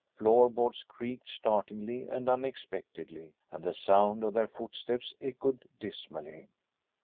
Floor boards creaked startlingly and unexpectedly and the sound of their footsteps echoed dismally.